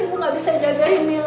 ibu gak bisa jagain mila